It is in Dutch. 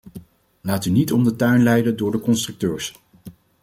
Laat u niet om de tuin leiden door de constructeurs!